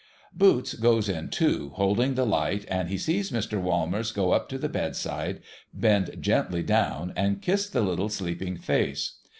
Boots goes in too, holding the light, and he sees Mr. Walmers go up to the bedside, bend gently down, and kiss the little sleeping PARTED III face.